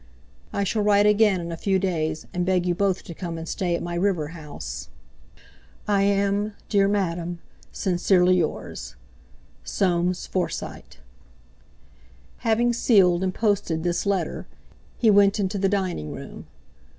I shall write again in a few days and beg you both to come and stay at my river house. "I am, dear Madame, "Sincerely yours, "SOAMES FORSYTE." Having sealed and posted this letter, he went into the dining room.